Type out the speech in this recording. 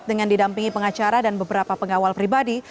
dengan didampingi pengacara dan beberapa pengawal pribadi